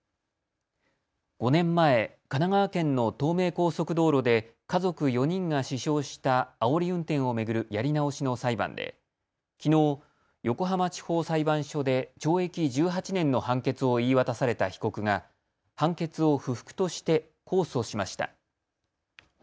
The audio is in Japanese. ５年前、神奈川県の東名高速道路で家族４人が死傷したあおり運転を巡るやり直しの裁判できのう横浜地方裁判所で懲役１８年の判決を言い渡された被告が判決を不服として控訴しました。